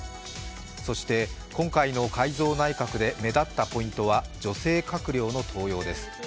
そして今回の改造内閣で目立ったポイントは女性閣僚の登用です。